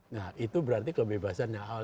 nah itu berarti kebebasan yang awal